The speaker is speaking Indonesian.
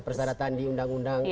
persyaratan di undang undang